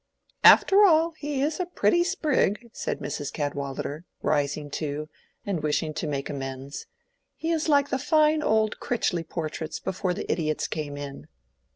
"After all, he is a pretty sprig," said Mrs. Cadwallader, rising too, and wishing to make amends. "He is like the fine old Crichley portraits before the idiots came in."